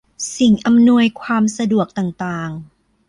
และสิ่งอำนวยความสะดวกต่างต่าง